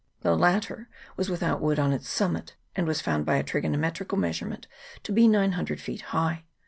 The latter was without wood on its summit, and was found by a trigonome trical measurement to be 900 feet high.